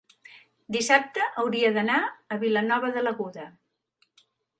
dissabte hauria d'anar a Vilanova de l'Aguda.